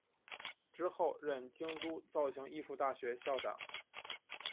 之后任京都造形艺术大学校长。